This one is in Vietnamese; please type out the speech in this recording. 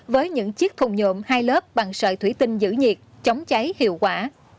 với những chiếc thùng nhộn hai lớp bằng sợi thủy tinh giữ nhiệt chống cháy hiệu quả